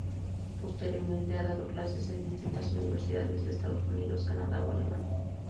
Posteriormente, ha dado clases en distintas universidades de Estados Unidos, Canadá o Alemania.